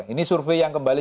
ini survei yang kembali